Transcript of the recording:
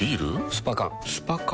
スパ缶スパ缶？